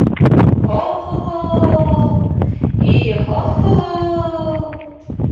Һо-һо-һо, и-һо-һо-һо!